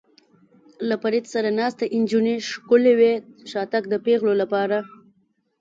له فرید سره ناستې نجونې ښکلې وې، شاتګ د پېغلو لپاره.